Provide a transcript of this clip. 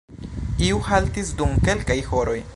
Iu haltis dum kelkaj horoj.